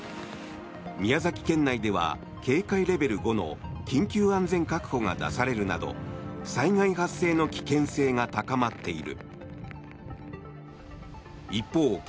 宮崎県内では警戒レベル５の緊急安全確保が出されるなど災害発生の危険性が高まっている。